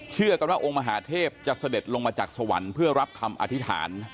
เชื่อกันว่าองค์มหาเทพจะเสด็จลงมาจากสวรรค์เพื่อรับคำอธิษฐาน